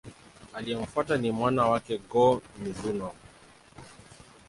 Aliyemfuata ni mwana wake, Go-Mizunoo.